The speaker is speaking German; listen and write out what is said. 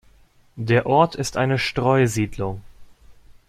Der Ort ist eine Streusiedlung.